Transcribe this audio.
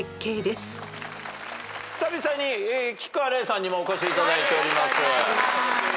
久々に菊川怜さんにもお越しいただいております。